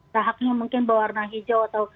tahapnya mungkin berwarna hijau atau